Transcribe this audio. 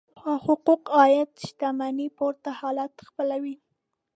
حقوق عاید شتمنۍ پورته حالت خپلوي.